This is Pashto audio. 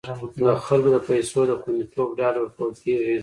د خلکو د پیسو د خوندیتوب ډاډ ورکول کیږي.